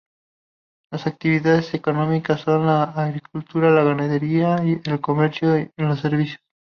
Las actividades económicas son la agricultura, la ganadería, el comercio y los servicios.